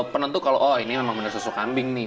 penentu kalau oh ini memang benar susu kambing nih